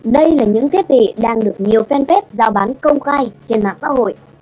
đây là những thiết bị đang được nhiều fanpage giao bán công khai trên mạng xã hội